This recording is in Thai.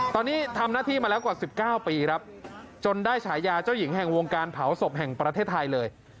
ตอนนี้ทำหน้าที่มาแล้วกว่า๑๙ปีครับจนได้ฉายาเจ้าหญิงแห่งวงการเผาศพแห่งประเทศไทยเลย